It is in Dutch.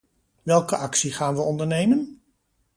Welke actie gaan we ondernemen?